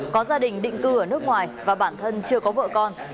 có gia đình định cư ở nước ngoài và bản thân chưa có vợ con